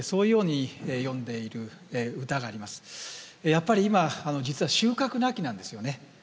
やっぱり今実は収穫の秋なんですよね。